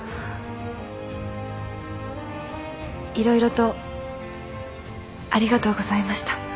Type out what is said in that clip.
色々とありがとうございました。